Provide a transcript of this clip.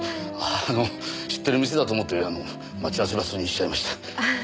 あの知ってる店だと思って待ち合わせ場所にしちゃいました。